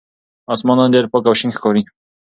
آسمان نن ډېر پاک او شین ښکاري.